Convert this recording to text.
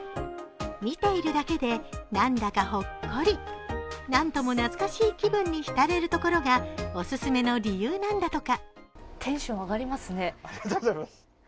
見ているだけで、なんだかほっこりなんとも懐かしい気分に浸れるところがお勧めの理由なんだとか。